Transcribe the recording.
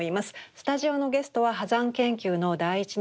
スタジオのゲストは波山研究の第一人者